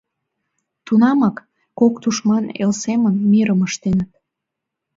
Тунамак, кок тушман эл семын, мирым ыштеныт.